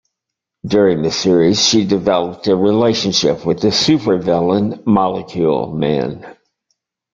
During the series, she developed a relationship with the supervillain Molecule Man.